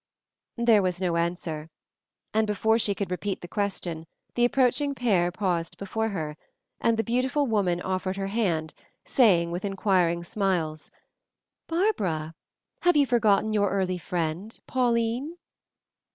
There was no answer, and before she could repeat the question the approaching pair paused before her, and the beautiful woman offered her hand, saying, with inquiring smiles, "Barbara, have you forgotten your early friend, Pauline?"